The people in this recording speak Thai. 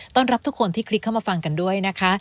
รับทุกคนที่คลิกเข้ามาฟังกันด้วยนะคะ